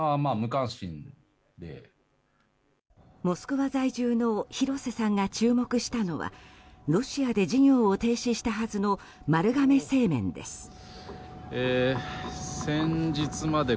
モスクワ在住の廣瀬さんが注目したのはロシアで事業を停止したはずの丸亀製麺です。